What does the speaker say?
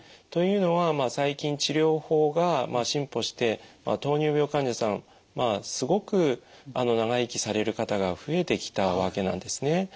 というのは最近治療法が進歩して糖尿病患者さんすごく長生きされる方が増えてきたわけなんですね。